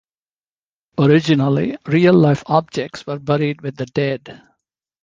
Originally, real-life objects were buried with the dead.